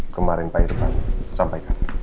kemarin pak irfan sampaikan